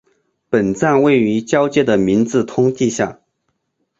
本站位于与交界的明治通地下。